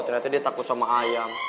ternyata dia takut sama ayam